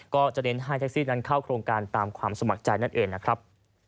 ก็จะเน้นให้แท็กซี่นั้นเข้าโครงการตามความสมัครใจนั่นเองนะครับ